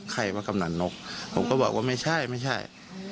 ใครว่ากำหนันนกผมก็บอกว่าไม่ใช่ไม่ใช่